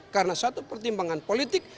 karena satu pertimbangan politik